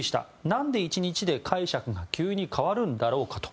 何で１日で解釈が急に変わるんだろうかと。